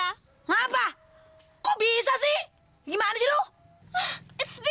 kenapa kenapa bisa bagaimana denganmu